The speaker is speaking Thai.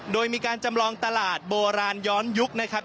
โดยมีการจำลองตลาดโบราณย้อนยุคนะครับ